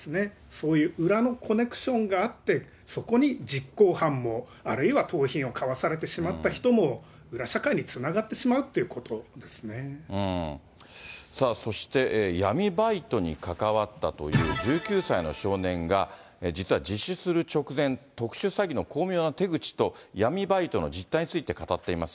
そういう裏のコネクションがあって、そこに実行犯も、あるいは盗品を買わされてしまった人も裏社会につながってしまうそして、闇バイトに関わったという１９歳の少年が、実は自首する直前、特殊詐欺の巧妙な手口と闇バイトの実態について語っています。